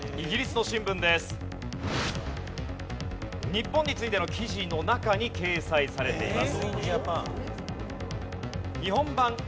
日本についての記事の中に掲載されています。